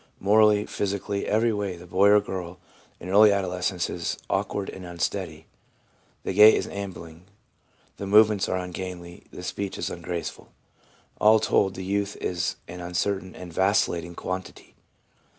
Morally, physically, every way, the boy or girl in early adolescence is awkward and unsteady. The gait is ambling, the movements are ungainly, the speech is ungraceful. All told, the youth is an uncertain and vacillating quantity.